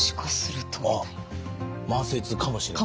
あっ慢性痛かもしれない。